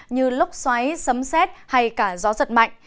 như lốc xoáy sấm xét hay cả gió giật mạnh